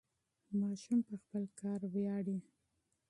ماشوم په خپل کار ویاړي.